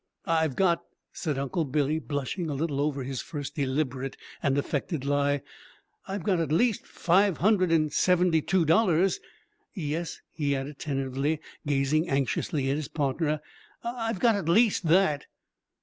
"I've got," said Uncle Billy, blushing a little over his first deliberate and affected lie, "I've got at least five hundred and seventy two dollars. Yes," he added tentatively, gazing anxiously at his partner, "I've got at least that."